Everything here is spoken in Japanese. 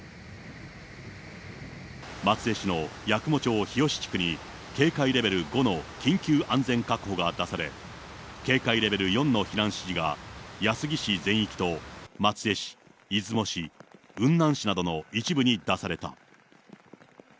松江市の八雲町日吉地区に警戒レベル５の緊急安全確保が出され、警戒レベル４の避難指示が安来市全域と松江市、出雲市、雲南市などの一部に出された。